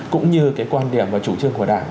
cũng như cái quan điểm và chủ trương của đảng